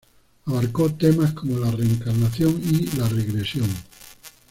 Abarcó temas como la reencarnación y la regresión.